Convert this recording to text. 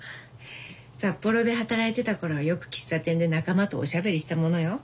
札幌で働いてたころはよく喫茶店で仲間とおしゃべりしたものよ。